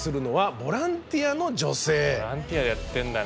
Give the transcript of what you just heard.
ボランティアやってんだね。